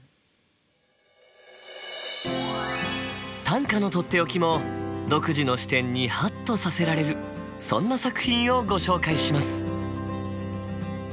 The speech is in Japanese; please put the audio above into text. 短歌のとっておきも独自の視点にハッとさせられるそんな作品をご紹介します。